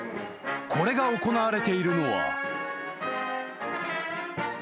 ［これが行われているのは］